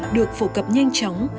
được phổ cập nhanh chóng